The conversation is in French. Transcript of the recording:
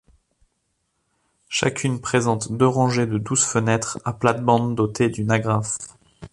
Chacune présente deux rangées de douze fenêtres à plate-bande dotée d'une agrafe.